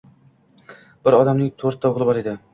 Bir odamning to`rtta o`g`li bor edi